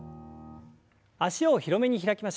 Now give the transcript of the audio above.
脚を広めに開きましょう。